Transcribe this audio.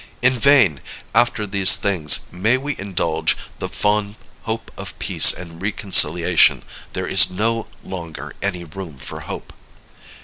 In vain, after these things, may we indulge the fond hope of peace and reconciliation. There is no longer any room for hope.